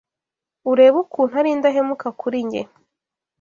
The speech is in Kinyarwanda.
urebe ukuntu ari indahemuka kuri jye